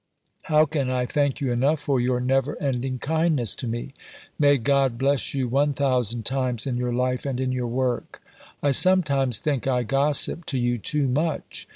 "How can I thank you enough for your never ending kindness to me? May God bless you 1000 times in your life and in your work. I sometimes think I gossip to you too much.